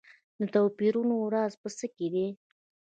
د توپیرونو راز په څه کې دی.